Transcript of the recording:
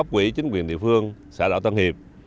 lãnh đạo của các quỹ chính quyền địa phương xã đảo tân hiệp